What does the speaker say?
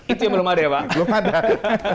itu yang belum ada ya pak